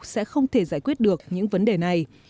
sẽ không thể giải quyết được những vấn đề này